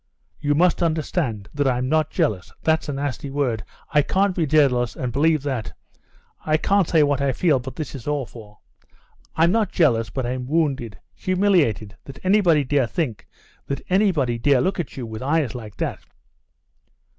"You must understand that I'm not jealous, that's a nasty word. I can't be jealous, and believe that.... I can't say what I feel, but this is awful.... I'm not jealous, but I'm wounded, humiliated that anybody dare think, that anybody dare look at you with eyes like that."